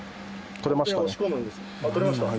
取れました。